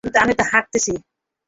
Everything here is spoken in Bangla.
কিন্তু আমি তো হাঁটছি।